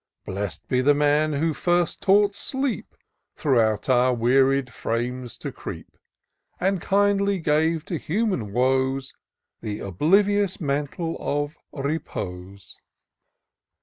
Bless'd be the man, who first taught sleep Throughout our wearied £rames to creep, And kindly gave to human woes The oblivious mantle of repose